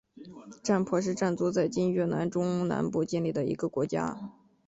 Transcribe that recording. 占婆是占族在今越南中南部建立的一个国家。